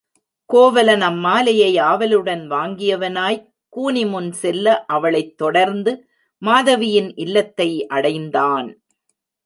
கோவலன் அம்மாலையை ஆவலுடன் வாங்கியவனாய்க் கூனி முன் செல்ல அவளைத் தொடர்ந்து மாதவியின் இல்லத்தை அடைந்தான்.